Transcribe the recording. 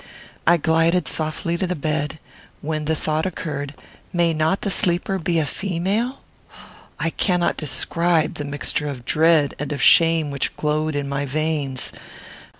I glided softly to the bed, when the thought occurred, May not the sleeper be a female? I cannot describe the mixture of dread and of shame which glowed in my veins.